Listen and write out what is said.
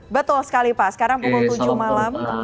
betul sekali pak sekarang pukul tujuh malam